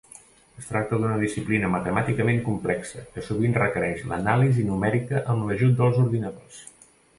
Es tracta d'una disciplina matemàticament complexa que sovint requereix l'anàlisi numèrica amb l'ajut dels ordinadors.